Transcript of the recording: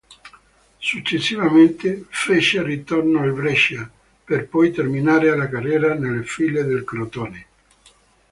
Successivamente fece ritorno al Brescia, per poi terminare la carriera nelle file del Crotone.